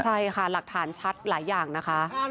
ใช่ค่ะหลักฐานชัดหลายอย่างนะคะ